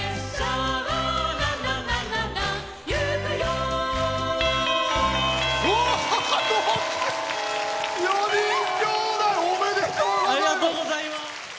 ありがとうございます！